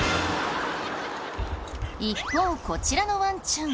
一方こちらのワンちゃん